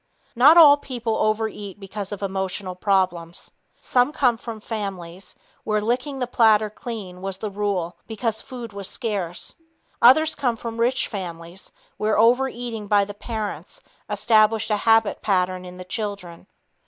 Not all people overeat because of emotional problems. Some come from families where "licking the platter clean" was the rule because food was scarce. Others come from rich families where overeating by the parents established a habit pattern in the children.